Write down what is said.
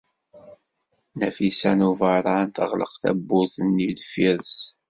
Nafisa n Ubeṛṛan teɣleq tawwurt-nni deffir-s.